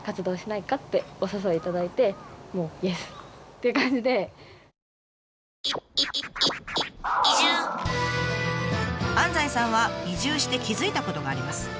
ここまで安西さんは移住して気付いたことがあります。